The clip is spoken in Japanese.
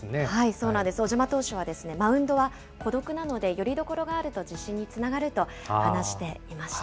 そうなんです、小島投手はマウンドは孤独なので、よりどころがあると自信につながると話していました。